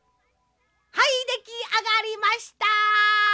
はいできあがりました！